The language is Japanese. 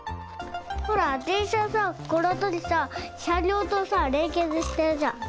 ほらでんしゃさこのあたりさしゃりょうとされんけつしてるじゃん。